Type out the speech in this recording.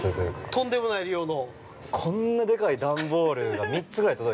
◆とんでもない量の。